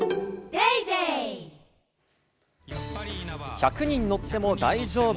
１００人乗っても大丈夫！